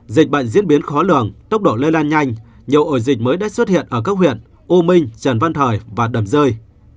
dịch bệnh diễn biến khó lường tốc độ lây lan nhanh nhiều ổ dịch mới đã xuất hiện ở các huyện u minh trần văn thời và đầm rơi